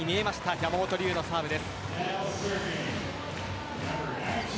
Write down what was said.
山本龍のサーブです。